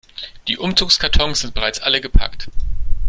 Die Umzugskartons sind bereits alle gepackt.